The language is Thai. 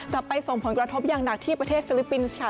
ไปส่งผลกระทบอย่างหนักที่ประเทศฟิลิปปินส์ค่ะ